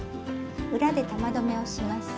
裏で玉留めをします。